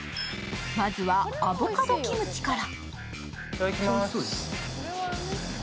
まずはアボカドキムチから。